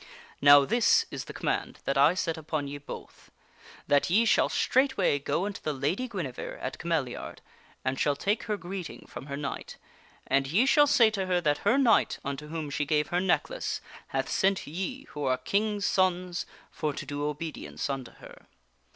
Now this is the com mand that I set upon ye both : that ye shall straightway go unto the Lady Guinevere at Cameliard and shall take her greeting from her knight. And ye shall say to her that her knight unto whom she gave her necklace, hath sent ye, who are King's sons, for to do obedience unto her.